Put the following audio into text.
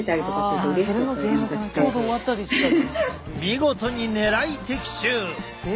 見事にねらい的中！